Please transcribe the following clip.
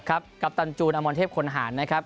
กัปตันจูนอมรเทพคนหารนะครับ